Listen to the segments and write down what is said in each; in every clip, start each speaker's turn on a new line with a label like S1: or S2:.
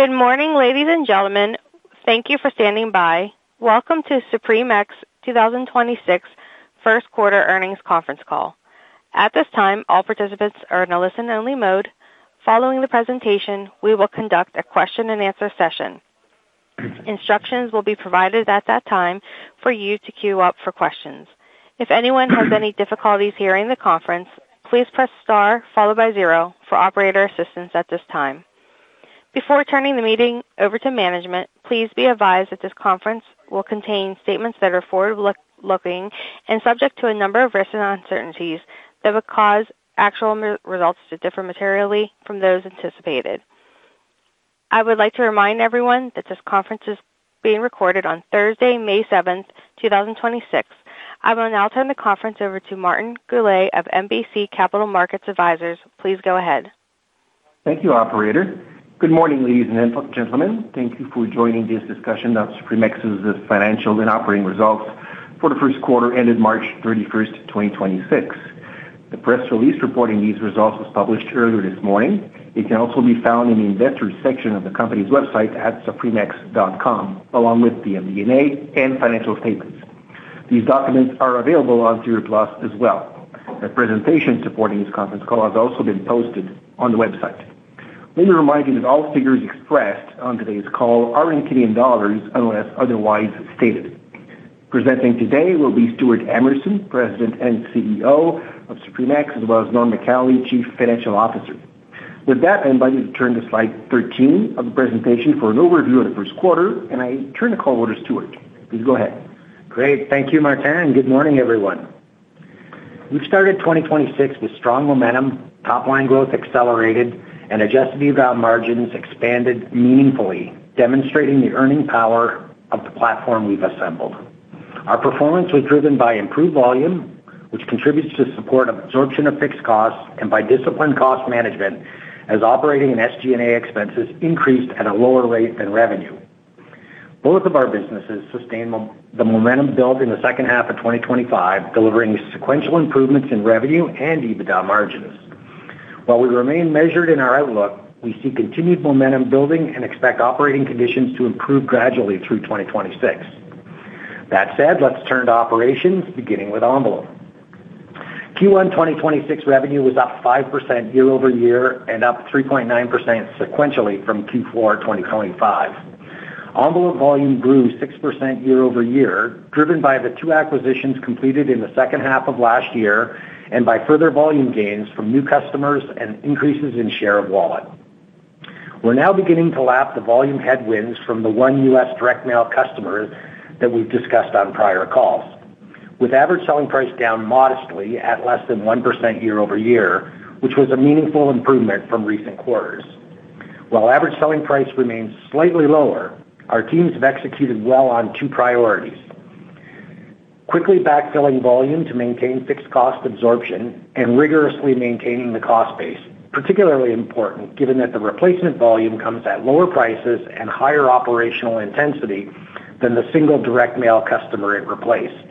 S1: Good morning, ladies and gentlemen. Thank you for standing by. Welcome to Supremex 2026 Q1 Earnings Conference Call. At this time, all participants are in a listen-only mode. Following the presentation, we will conduct a question-and-answer session. Instructions will be provided at that time for you to queue up for questions. If anyone has any difficulties hearing the conference, please press star followed by zero for operator assistance at this time. Before turning the meeting over to management, please be advised that this conference will contain statements that are forward-looking and subject to a number of risks and uncertainties that would cause actual results to differ materially from those anticipated. I would like to remind everyone that this conference is being recorded on Thursday, May 7th, 2026. I will now turn the conference over to Martin Goulet of MBC Capital Markets Advisors. Please go ahead.
S2: Thank you, operator. Good morning, ladies and gentlemen. Thank you for joining this discussion of Supremex's financial and operating results for the Q1 ended March 31st, 2026. The press release reporting these results was published earlier this morning. It can also be found in the Investors section of the company's website at supremex.com, along with the MD&A and financial statements. These documents are available on SEDAR+ as well. A presentation supporting this conference call has also been posted on the website. Let me remind you that all figures expressed on today's call are in CAD unless otherwise stated. Presenting today will be Stewart Emerson, President and CEO of Supremex, as well as Norm Macaulay, Chief Financial Officer. With that, I invite you to turn to slide 13 of the presentation for an overview of the Q1. I turn the call over to Stewart. Please go ahead.
S3: Great. Thank you, Martin, and good morning, everyone. We've started 2026 with strong momentum. Top line growth accelerated and Adjusted EBITDA margins expanded meaningfully, demonstrating the earning power of the platform we've assembled. Our performance was driven by improved volume, which contributes to support of absorption of fixed costs, and by disciplined cost management as operating and SG&A expenses increased at a lower rate than revenue. Both of our businesses sustained the momentum built in the second half of 2025, delivering sequential improvements in revenue and EBITDA margins. While we remain measured in our outlook, we see continued momentum building and expect operating conditions to improve gradually through 2026. That said, let's turn to operations, beginning with Envelope. Q1 2026 revenue was up 5% year over year and up 3.9% sequentially from Q4 2025. Envelope volume grew 6% year-over-year, driven by the two acquisitions completed in the second half of last year and by further volume gains from new customers and increases in share of wallet. We're now beginning to lap the volume headwinds from the one U.S. direct mail customer that we've discussed on prior calls. With average selling price down modestly at less than 1% year-over-year, which was a meaningful improvement from recent quarters. While average selling price remains slightly lower, our teams have executed well on two priorities. Quickly backfilling volume to maintain fixed cost absorption and rigorously maintaining the cost base, particularly important given that the replacement volume comes at lower prices and higher operational intensity than the single direct mail customer it replaced.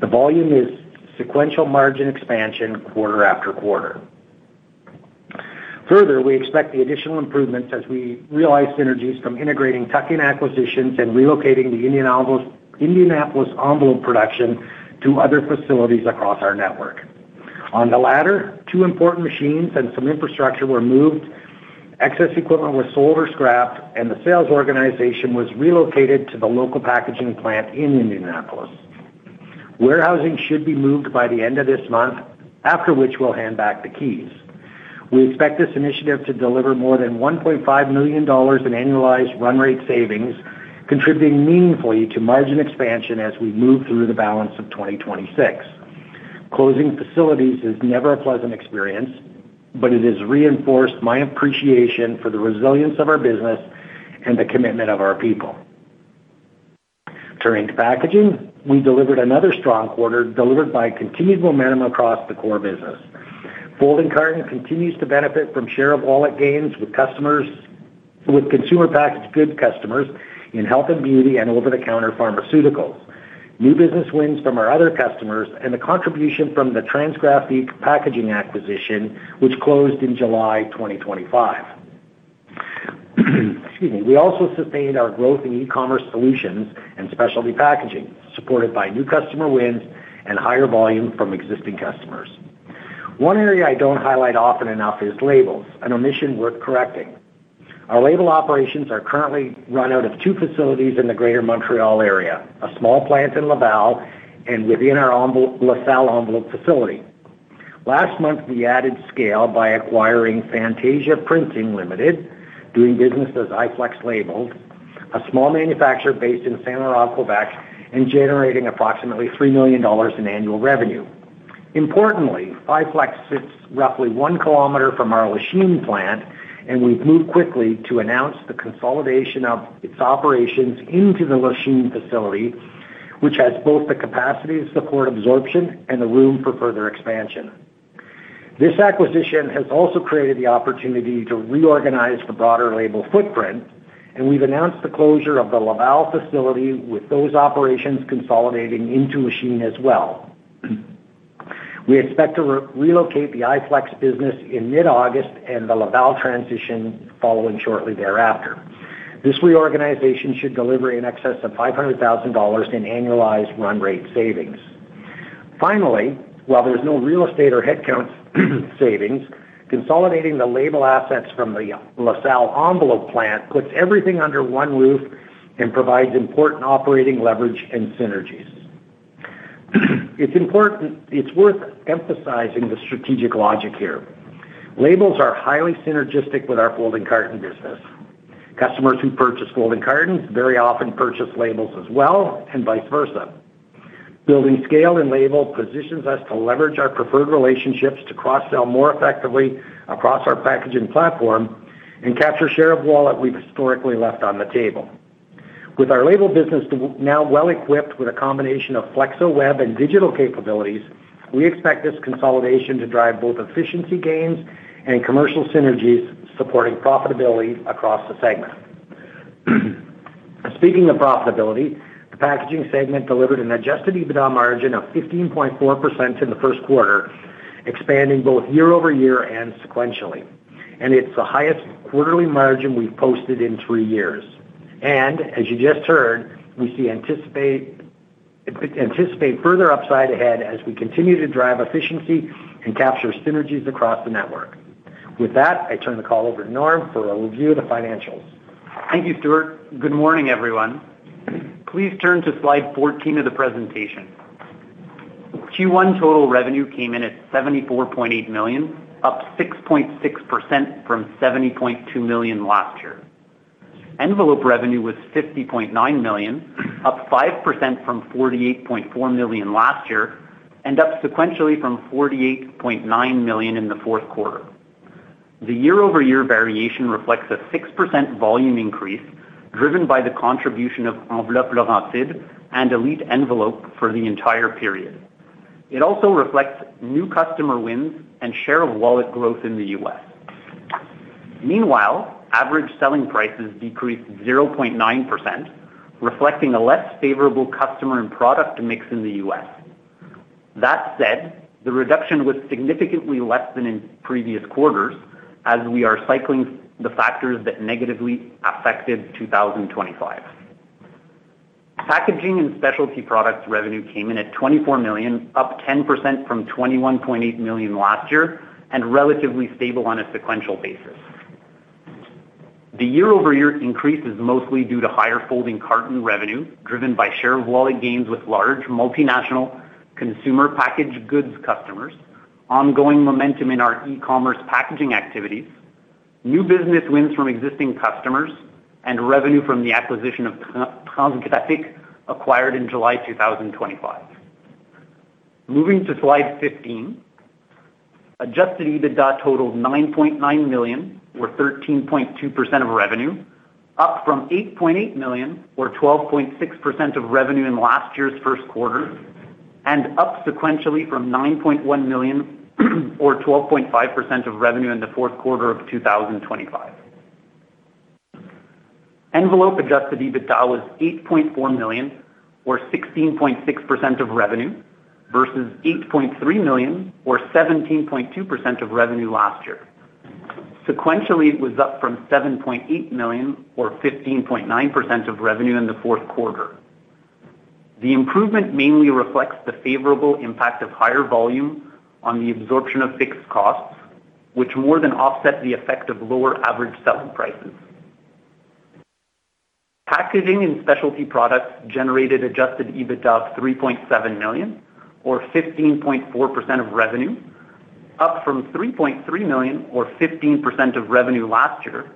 S3: The volume is sequential margin expansion quarter after quarter. Further, we expect the additional improvements as we realize synergies from integrating tuck-in acquisitions and relocating the Indianapolis envelope production to other facilities across our network. On the latter, two important machines and some infrastructure were moved, excess equipment was sold or scrapped, and the sales organization was relocated to the local packaging plant in Indianapolis. Warehousing should be moved by the end of this month, after which we'll hand back the keys. We expect this initiative to deliver more than 1.5 million dollars in annualized run rate savings, contributing meaningfully to margin expansion as we move through the balance of 2026. Closing facilities is never a pleasant experience. It has reinforced my appreciation for the resilience of our business and the commitment of our people. Turning to Packaging. We delivered another strong quarter delivered by continued momentum across the core business. Folding carton continues to benefit from share of wallet gains with customers with consumer packaged good customers in health and beauty and over-the-counter pharmaceuticals, new business wins from our other customers, and the contribution from the Transgraphic Packaging acquisition, which closed in July 2025. Excuse me. We also sustained our growth in e-commerce solutions and specialty packaging, supported by new customer wins and higher volume from existing customers. One area I don't highlight often enough is labels, an omission worth correcting. Our label operations are currently run out of two facilities in the Greater Montreal area, a small plant in Laval and within our envelope LaSalle envelope facility. Last month, we added scale by acquiring Fantasia Printing Ltd., doing business as iFlex Labels, a small manufacturer based in Saint-Laurent, Quebec, and generating approximately 3 million dollars in annual revenue. Importantly, iFlex sits roughly 1 km from our Lachine plant. We've moved quickly to announce the consolidation of its operations into the Lachine facility, which has both the capacity to support absorption and the room for further expansion. This acquisition has also created the opportunity to reorganize the broader label footprint. We've announced the closure of the Laval facility with those operations consolidating into Lachine as well. We expect to relocate the iFlex business in mid August. The Laval transition following shortly thereafter. This reorganization should deliver in excess of 500,000 dollars in annualized run rate savings. Finally, while there's no real estate or headcount savings, consolidating the label assets from the LaSalle envelope plant puts everything under one roof and provides important operating leverage and synergies. It's worth emphasizing the strategic logic here. Labels are highly synergistic with our folding carton business. Customers who purchase folding cartons very often purchase labels as well, and vice versa. Building scale and label positions us to leverage our preferred relationships to cross-sell more effectively across our packaging platform and capture share of wallet we've historically left on the table. With our label business now well-equipped with a combination of flexo web and digital capabilities, we expect this consolidation to drive both efficiency gains and commercial synergies supporting profitability across the segment. Speaking of profitability, the Packaging segment delivered an Adjusted EBITDA margin of 15.4% in the Q1, expanding both year-over-year and sequentially. It's the highest quarterly margin we've posted in three years. As you just heard, we see anticipate further upside ahead as we continue to drive efficiency and capture synergies across the network. With that, I turn the call over to Norm for a review of the financials.
S4: Thank you, Stewart. Good morning, everyone. Please turn to slide 14 of the presentation. Q1 total revenue came in at 74.8 million, up 6.6% from 70.2 million last year. Envelope revenue was 50.9 million, up 5% from 48.4 million last year, and up sequentially from 48.9 million in the Q4. The year-over-year variation reflects a 6% volume increase driven by the contribution of Enveloppe Laurentide and Elite Envelope for the entire period. It also reflects new customer wins and share of wallet growth in the U.S. Meanwhile, average selling prices decreased 0.9%, reflecting a less favorable customer and product mix in the U.S. That said, the reduction was significantly less than in previous quarters as we are cycling the factors that negatively affected 2025. Packaging and Specialty Products revenue came in at 24 million, up 10% from 21.8 million last year, and relatively stable on a sequential basis. The year-over-year increase is mostly due to higher folding carton revenue, driven by share of wallet gains with large multinational Consumer Packaged Goods customers, ongoing momentum in our e-commerce packaging activities, new business wins from existing customers, and revenue from the acquisition of Transgraphic acquired in July 2025. Moving to slide 15, Adjusted EBITDA totaled 9.9 million or 13.2% of revenue, up from 8.8 million or 12.6% of revenue in last year's Q1, and up sequentially from 9.1 million or 12.5% of revenue in the Q4 of 2025. Envelope Adjusted EBITDA was 8.4 million or 16.6% of revenue versus 8.3 million or 17.2% of revenue last year. Sequentially, it was up from 7.8 million or 15.9% of revenue in the Q4. The improvement mainly reflects the favorable impact of higher volume on the absorption of fixed costs, which more than offset the effect of lower average selling prices. Packaging and Specialty Products generated Adjusted EBITDA of 3.7 million or 15.4% of revenue, up from 3.3 million or 15% of revenue last year,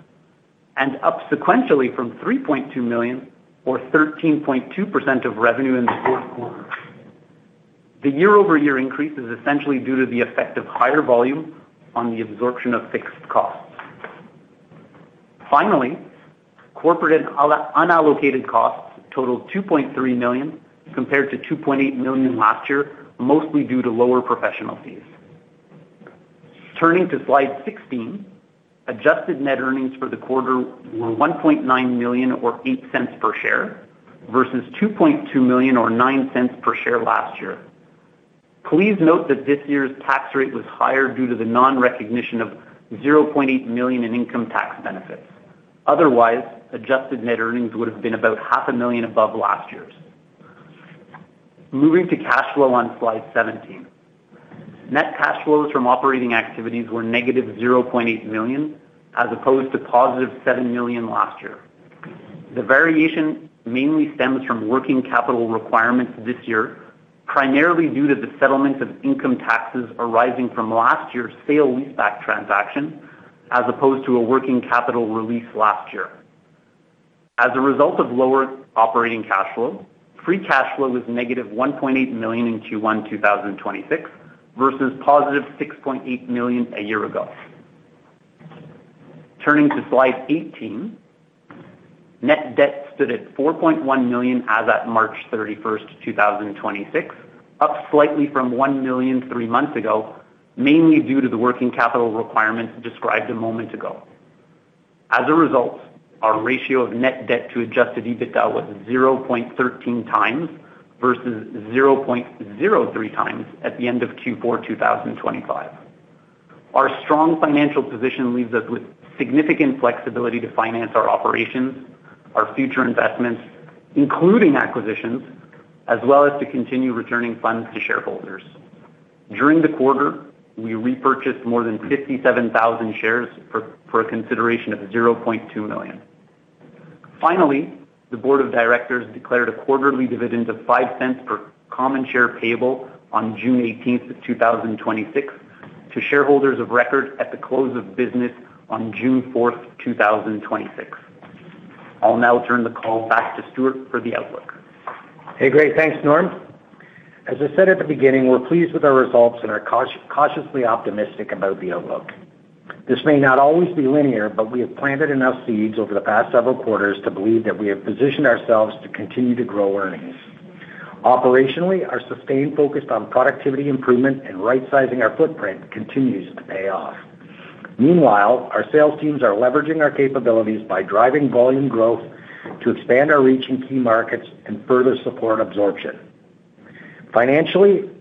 S4: and up sequentially from 3.2 million or 13.2% of revenue in the Q4. The year-over-year increase is essentially due to the effect of higher volume on the absorption of fixed costs. Finally, corporate and unallocated costs totaled 2.3 million compared to 2.8 million last year, mostly due to lower professional fees. Turning to slide 16, adjusted net earnings for the quarter were 1.9 million or 0.08 per share versus 2.2 million or 0.09 per share last year. Please note that this year's tax rate was higher due to the non-recognition of 0.8 million in income tax benefits. Otherwise, adjusted net earnings would have been about 0.5 Million above last year's. Moving to cash flow on slide 17. Net cash flows from operating activities were -0.8 million as opposed to +7 million last year. The variation mainly stems from working capital requirements this year, primarily due to the settlement of income taxes arising from last year's sale leaseback transaction, as opposed to a working capital release last year. As a result of lower operating cash flow, free cash flow was -1.8 million in Q1 2026 versus +6.8 million a year ago. Turning to slide 18, net debt stood at 4.1 million as at March 31, 2026, up slightly from 1 million three months ago, mainly due to the working capital requirement described a moment ago. As a result, our ratio of net debt to Adjusted EBITDA was 0.13x versus 0.03x at the end of Q4 2025. Our strong financial position leaves us with significant flexibility to finance our operations, our future investments, including acquisitions, as well as to continue returning funds to shareholders. During the quarter, we repurchased more than 57,000 shares for a consideration of 0.2 million. The board of directors declared a quarterly dividend of 0.05 per common share payable on June 18th, 2026 to shareholders of record at the close of business on June 4th, 2026. I'll now turn the call back to Stewart for the outlook.
S3: Hey, great. Thanks, Norm. As I said at the beginning, we're pleased with our results and are cautiously optimistic about the outlook. This may not always be linear, but we have planted enough seeds over the past several quarters to believe that we have positioned ourselves to continue to grow earnings. Operationally, our sustained focus on productivity improvement and rightsizing our footprint continues to pay off. Meanwhile, our sales teams are leveraging our capabilities by driving volume growth to expand our reach in key markets and further support absorption. Financially, our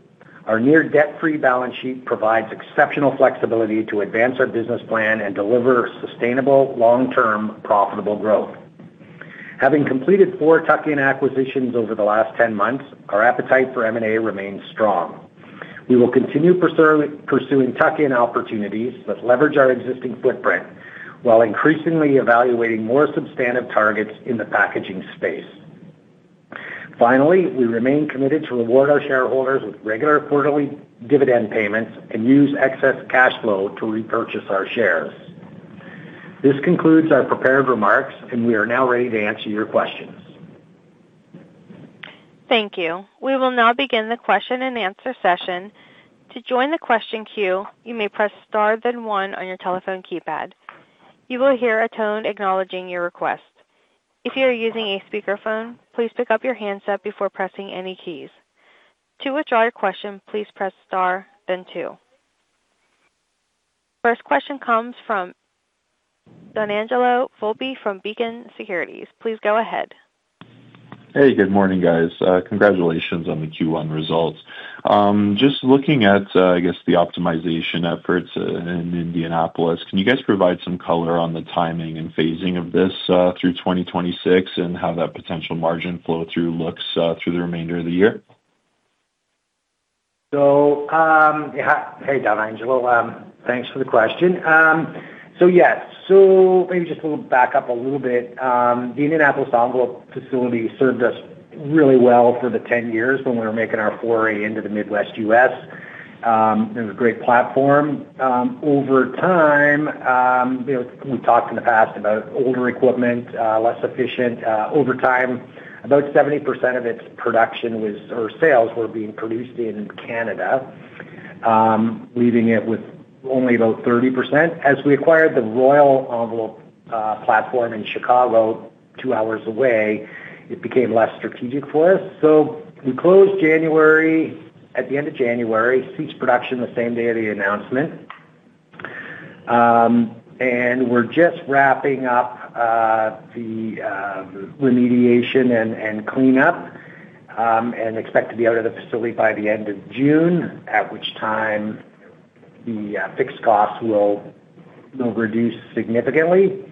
S3: near debt-free balance sheet provides exceptional flexibility to advance our business plan and deliver sustainable, long-term, profitable growth. Having completed four tuck-in acquisitions over the last 10 months, our appetite for M&A remains strong. We will continue pursuing tuck-in opportunities that leverage our existing footprint while increasingly evaluating more substantive targets in the packaging space. Finally, we remain committed to reward our shareholders with regular quarterly dividend payments and use excess cash flow to repurchase our shares. This concludes our prepared remarks, and we are now ready to answer your questions.
S1: Thank you. We will now begin the question-and-answer session. To join the question queue, you may press star then one on your telephone keypad. You will hear a tone acknowledging your request. If you are using a speakerphone, please pick up your handset before pressing any keys. To withdraw your question, please press star then two. First question comes from Donangelo Volpe from Beacon Securities. Please go ahead.
S5: Hey, good morning, guys. Congratulations on the Q1 results. Just looking at, I guess the optimization efforts, in Indianapolis, can you guys provide some color on the timing and phasing of this, through 2026 and how that potential margin flow-through looks, through the remainder of the year?
S3: Yeah. Hey, Donangelo. Thanks for the question. Yes. Maybe just we'll back up a little bit. The Indianapolis envelope facility served us really well for the 10 years when we were making our foray into the Midwest U.S. It was a great platform. Over time, you know, we've talked in the past about older equipment, less efficient. Over time, about 70% of its production or sales were being produced in Canada, leaving it with only about 30%. As we acquired the Royal Envelope platform in Chicago, two hours away, it became less strategic for us. We closed January, at the end of January. Ceased production the same day of the announcement. We're just wrapping up the remediation and cleanup and expect to be out of the facility by the end of June, at which time the fixed costs will reduce significantly.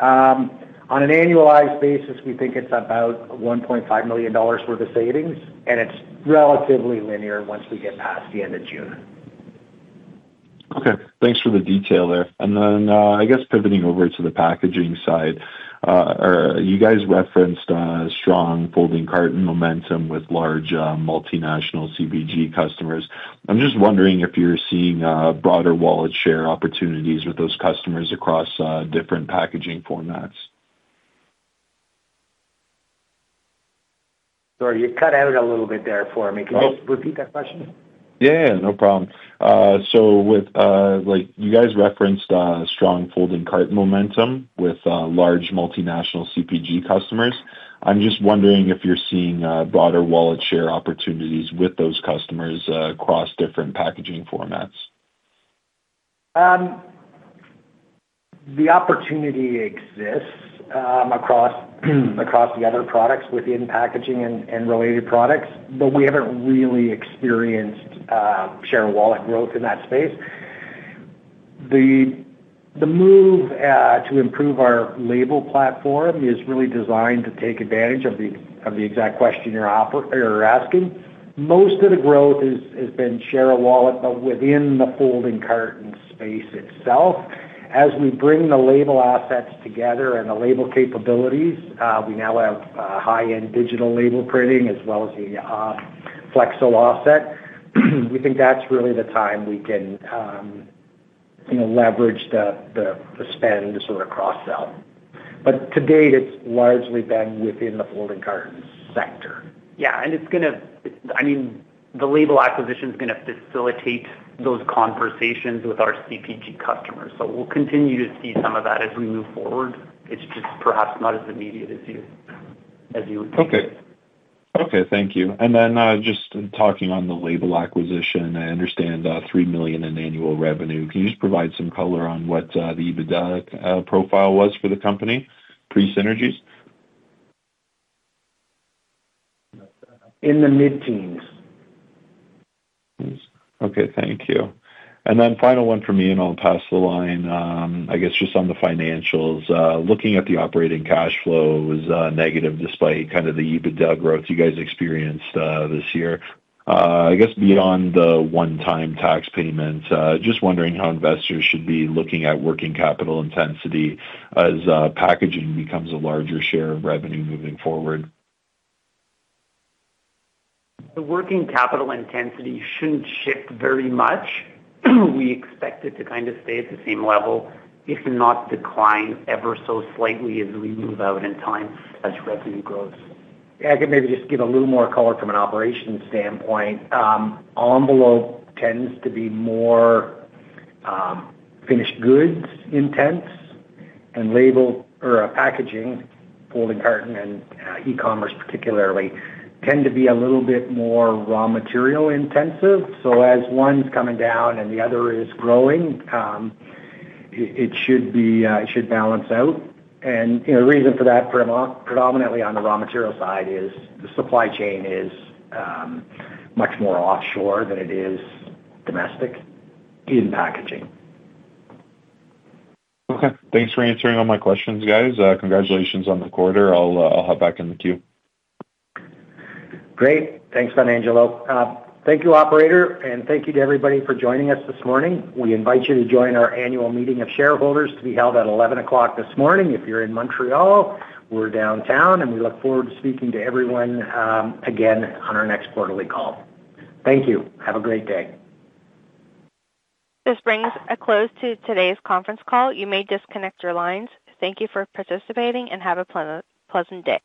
S3: On an annualized basis, we think it's about 1.5 million dollars worth of savings, and it's relatively linear once we get past the end of June.
S5: Okay. Thanks for the detail there. I guess pivoting over to the packaging side, you guys referenced strong folding carton momentum with large, multinational CPG customers. I'm just wondering if you're seeing broader wallet share opportunities with those customers across different packaging formats.
S3: Sorry, you cut out a little bit there for me.
S5: Oh.
S3: Can you just repeat that question?
S5: Yeah, no problem. With, like you guys referenced, strong folding carton momentum with large multinational CPG customers. I'm just wondering if you're seeing broader wallet share opportunities with those customers across different packaging formats.
S3: The opportunity exists across the other products within packaging and related products, but we haven't really experienced share of wallet growth in that space. The move to improve our label platform is really designed to take advantage of the exact question you're asking. Most of the growth is, has been share of wallet, but within the folding carton space itself. As we bring the label assets together and the label capabilities, we now have high-end digital label printing as well as the flexo offset. We think that's really the time we can, you know, leverage the spend to sort of cross-sell. To date, it's largely been within the folding carton sector.
S4: Yeah. I mean, the label acquisition's gonna facilitate those conversations with our CPG customers. We'll continue to see some of that as we move forward. Its just perhaps not as immediate as you would think.
S5: Okay. Okay, thank you. Just talking on the label acquisition, I understand 3 million in annual revenue. Can you just provide some color on what the EBITDA profile was for the company pre-synergies?
S3: In the mid-teens.
S5: Okay, thank you. Final one for me, and I'll pass the line. I guess just on the financials, looking at the operating cash flows, negative despite kind of the EBITDA growth you guys experienced, this year. I guess beyond the one-time tax payment, just wondering how investors should be looking at working capital intensity as Packaging becomes a larger share of revenue moving forward.
S4: The working capital intensity shouldn't shift very much. We expect it to kind of stay at the same level, if not decline ever so slightly as we move out in time as revenue grows.
S3: Yeah. I could maybe just give a little more color from an operations standpoint. Envelope tends to be more finished goods intense and label or packaging, folding carton and e-commerce particularly, tend to be a little bit more raw material intensive. As one's coming down and the other is growing, it should be, it should balance out. You know, reason for that predominantly on the raw material side is the supply chain is much more offshore than it is domestic in packaging.
S5: Okay. Thanks for answering all my questions, guys. Congratulations on the quarter. I'll hop back in the queue.
S3: Great. Thanks, Donangelo. Thank you, operator, and thank you to everybody for joining us this morning. We invite you to join our annual meeting of shareholders to be held at 11:00 A.M. this morning. If you're in Montreal, we're downtown, and we look forward to speaking to everyone again on our next quarterly call. Thank you. Have a great day.
S1: This brings a close to today's conference call. You may disconnect your lines. Thank you for participating and have a pleasant day.